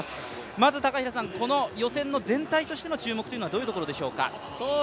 まず、この予選の全体としての注目というのはどういうところでしょうか。